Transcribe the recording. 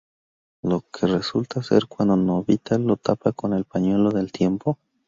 Lo que resulta ser cuando Nobita lo tapa con el pañuelo del tiempo.